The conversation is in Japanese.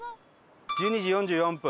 １２時４４分。